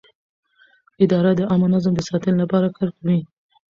اداره د عامه نظم د ساتنې لپاره کار کوي.